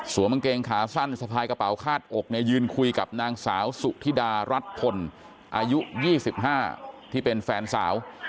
กางเกงขาสั้นสะพายกระเป๋าคาดอกเนี่ยยืนคุยกับนางสาวสุธิดารัฐพลอายุ๒๕ที่เป็นแฟนสาว